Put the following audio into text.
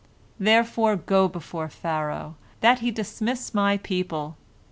Therefore, go before Pharaoh, that he dismiss My people.